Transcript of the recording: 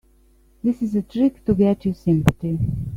This is a trick to get your sympathy.